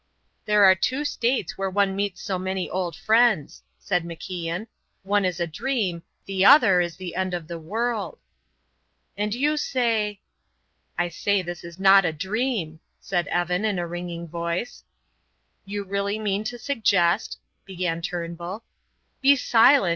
"There are two states where one meets so many old friends," said MacIan; "one is a dream, the other is the end of the world." "And you say " "I say this is not a dream," said Evan in a ringing voice. "You really mean to suggest " began Turnbull. "Be silent!